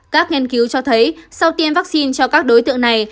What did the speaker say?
các nghiên cứu cho thấy sau tiêm vaccine cho các đối tượng này